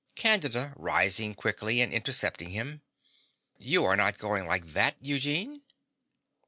CANDIDA (rising quickly and intercepting him). You are not going like that, Eugene?